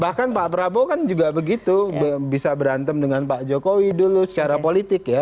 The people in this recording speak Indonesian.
bahkan pak prabowo kan juga begitu bisa berantem dengan pak jokowi dulu secara politik ya